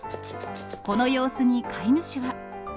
この様子に飼い主は。